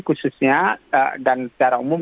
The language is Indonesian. khususnya dan secara umum